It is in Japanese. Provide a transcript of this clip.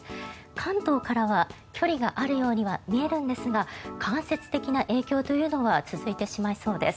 関東からは距離があるようには見えるんですが間接的な影響というのは続いてしまいそうです。